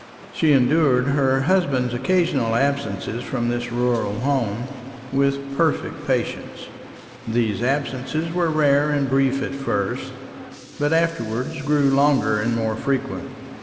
She endured her husband's occasional absence from this rural home with perfect patience. These absences were rare and brief at first, but afterwards grew longer and more frequent.